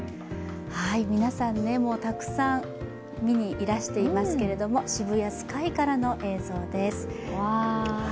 皆さん、たくさん見にいらしていますけれども渋谷スカイからの映像です。